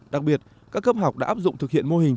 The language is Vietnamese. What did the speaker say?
đặc biệt các cấp học đã áp dụng thực hiện mô hình